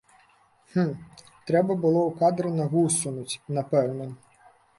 Хм, трэ было ў кадр нагу ўсунуць, напэўна.